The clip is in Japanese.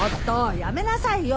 やめなさいよ！